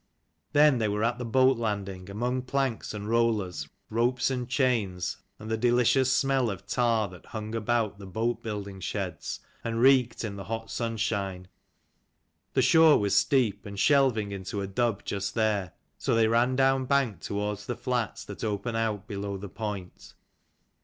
Then they were at the boat landing, among planks and rollers, ropes and chains, and the delicious smell of tar that hung about the boat building sheds, and reeked in the hot sunshine. The shore was steep, and shelving into a dub just there: so they ran downbank towards the flats that open out below the point.